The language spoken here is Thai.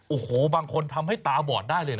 โอ้โหบางคนทำให้ตาบอดได้เลยนะ